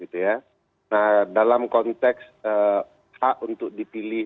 jadi kalau saya ingin mencari kesempatan untuk dir texted pakai kesehatan lima ratus dolar